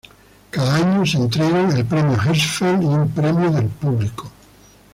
Cada año se entregan el Premio Hersfeld y un premio del público.